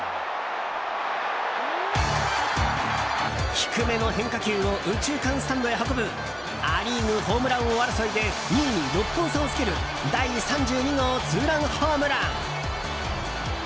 低めの変化球を右中間スタンドへ運ぶア・リーグホームラン王争いで２位に６本差をつける第３２号ツーランホームラン！